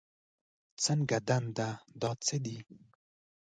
څنګه دنده، دا څه دي؟